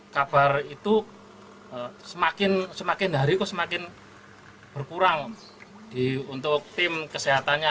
kabar itu semakin hari kok semakin berkurang untuk tim kesehatannya